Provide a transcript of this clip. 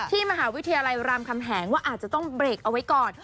ที่มหาวิทยาลัยรามคำแหงว่าอาจจะต้องเบรกเอาไว้ก่อน